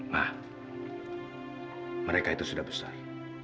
nah mereka itu sudah besar